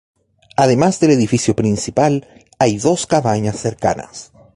Además del edificio principal, hay dos cabañas cercanas.